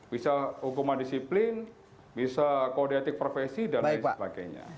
bisa hukuman disiplin bisa kodiatik profesi dan lain sebagainya